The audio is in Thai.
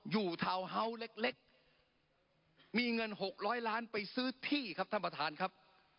ทาวน์เฮาส์เล็กมีเงิน๖๐๐ล้านไปซื้อที่ครับท่านประธานครับ